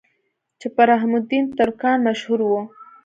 چې پۀ رحم الدين ترکاڼ مشهور وو